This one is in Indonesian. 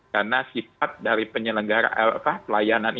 karena sifat dari penyelenggara apa pelayanan ini